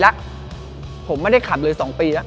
รอบ๓รอบ๒ผมหยุดมาจะ๒ปีแล้ว